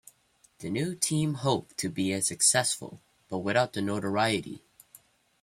The new team hoped to be as successful but without the notoriety.